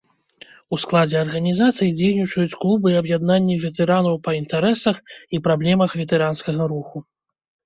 У складзе арганізацыі дзейнічаюць клубы і аб'яднанні ветэранаў па інтарэсах і праблемах ветэранскага руху.